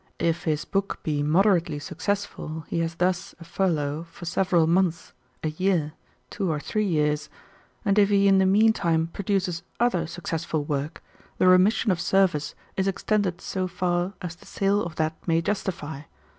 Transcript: If his book be moderately successful, he has thus a furlough for several months, a year, two or three years, and if he in the mean time produces other successful work, the remission of service is extended so far as the sale of that may justify.